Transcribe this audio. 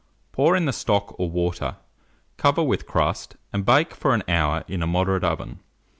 Pour in the stock or water, cover with crust, and bake for an hour in a moderate oven.